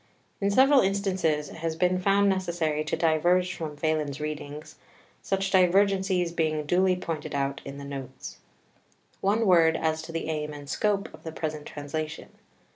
In several instances it has been found necessary to diverge from Vahlen's readings, such divergencies being duly pointed out in the Notes. One word as to the aim and scope of the present Translation.